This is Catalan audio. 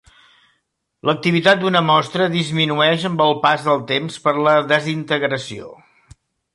L'activitat d'una mostra disminueix amb el pas del temps per la desintegració.